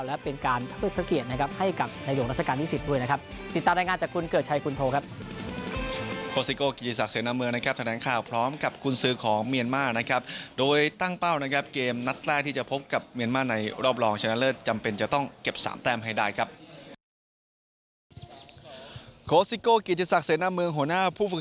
และเป็นการเพิ่มเกลียดนะครับให้กับหลังหลวงราชการที่สิทธิ์ด้วยนะครับ